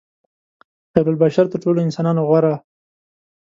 خیرالبشر تر ټولو انسانانو غوره.